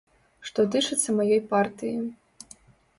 Што тычыцца маёй партыі.